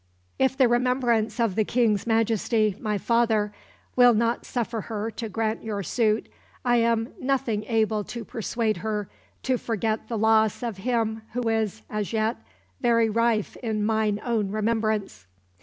"If the remembrance of the King's Majesty my father ... will not suffer her to grant your suit, I am nothing able to persuade her to forget the loss of him who is, as yet, very rife in mine own remembrance."